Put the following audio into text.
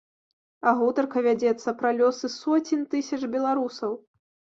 А гутарка вядзецца пра лёсы соцень тысяч беларусаў.